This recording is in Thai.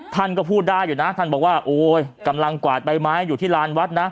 ท่านก็พูดได้อยู่นะท่านบอกว่าโอ้ยกำลังกวาดใบไม้อยู่ที่ลานวัดนะ